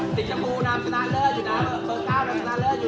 ที่จะให้รับทางผ่านที